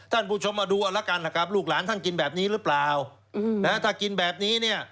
ท่านผู้ชมมาดูเอาละกันนะครับลูกหลานท่านกินแบบนี้หรือเปล่าถ้ากินแบบนี้เนี่ย